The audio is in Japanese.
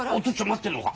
待ってんのか？